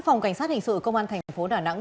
phòng cảnh sát hình sự công an thành phố đà nẵng